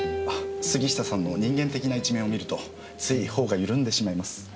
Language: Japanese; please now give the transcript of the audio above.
あ杉下さんの人間的な一面を見るとつい頬が緩んでしまいます。